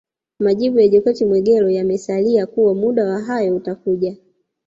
Majibu ya Jokate Mwegelo yamesalia kuwa muda wa hayo utakuja